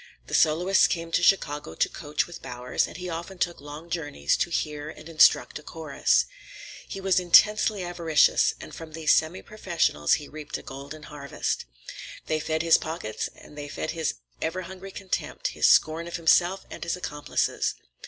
The soloists came to Chicago to coach with Bowers, and he often took long journeys to hear and instruct a chorus. He was intensely avaricious, and from these semi professionals he reaped a golden harvest. They fed his pockets and they fed his ever hungry contempt, his scorn of himself and his accomplices.